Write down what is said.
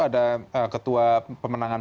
ada ketua pemenangan